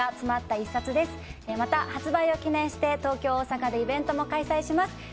また発売を記念して東京、大阪でイベントも開催します。